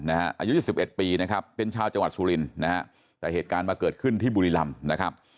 อายุ๒๑ปีเป็นชาวจังหวัดสุรินแต่เหตุการณ์มาเกิดขึ้นที่บุรีรัมน์